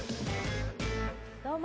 どうも！